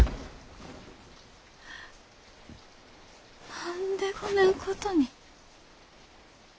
何でこねんことに。